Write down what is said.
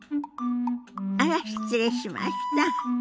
あら失礼しました。